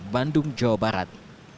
bandung jawa barat